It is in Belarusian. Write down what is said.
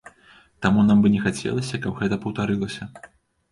Таму нам бы не хацелася, каб гэта паўтарылася.